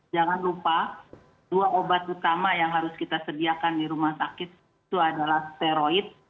jangan lupa dua obat utama yang harus kita sediakan di rumah sakit itu adalah steroid